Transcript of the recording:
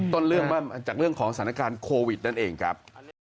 ต้นเรื่องมาจากเรื่องของสถานการณ์โควิดนั่นเองครับ